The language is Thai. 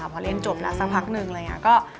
พอเรียนจบแล้วสักพักนึงเลยค่ะ